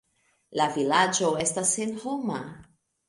La vilaĝo estas senhoma.